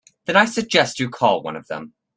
Then I suggest you call one of them.